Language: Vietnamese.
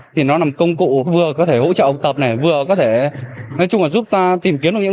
thì nó làm công cụ vừa có thể hỗ trợ học tập này vừa có thể nói chung là giúp ta tìm kiếm được những điều này